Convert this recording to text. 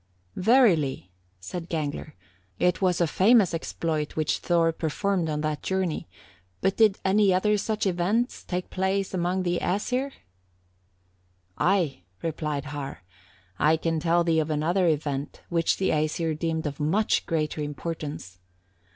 57. "Verily," said Gangler, "it was a famous exploit which Thor performed on that journey, but did any other such events take place among the Æsir?" "Ay," replied Har, "I can tell thee of another event which the Æsir deemed of much greater importance.